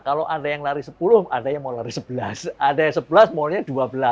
kalau ada yang lari sepuluh ada yang mau lari sebelas ada yang sebelas maunya dua belas